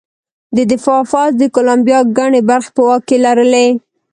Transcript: د دفاع پوځ د کولمبیا ګڼې برخې په واک کې لرلې.